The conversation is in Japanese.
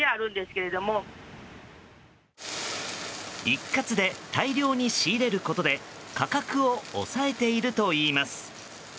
一括で大量に仕入れることで価格を抑えているといいます。